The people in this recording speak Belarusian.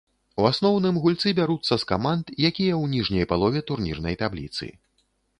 У асноўным гульцы бяруцца з каманд, якія ў ніжняй палове турнірнай табліцы.